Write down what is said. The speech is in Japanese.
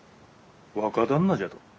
「若旦那」じゃと？